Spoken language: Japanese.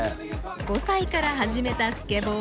５歳から始めたスケボー。